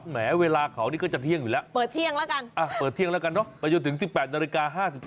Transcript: แหมะเวลาของนี่ก็จะเที่ยงอยู่ระ